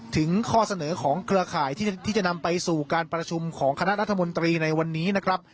ถึงข้อเสนอของเครือข่ายที่จะนำไปสู่การประชุมของคณะรัฐมนตรีในวันนี้นะครับ